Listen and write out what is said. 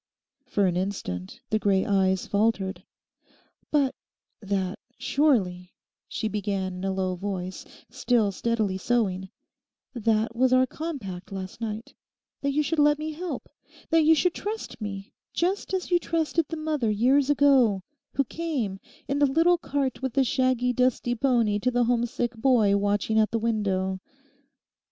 For an instant the grey eyes faltered. 'But that, surely,' she began in a low voice, still steadily sewing, 'that was our compact last night—that you should let me help, that you should trust me just as you trusted the mother years ago who came in the little cart with the shaggy dusty pony to the homesick boy watching at the window.